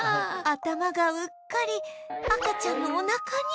頭がうっかり赤ちゃんのおなかに